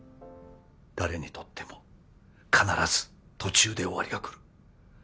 誰にとっても必ず途中で終わりがくる。